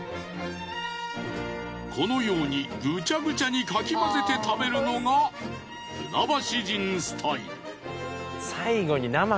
このようにぐちゃぐちゃにかき混ぜて食べるのが船橋人スタイル。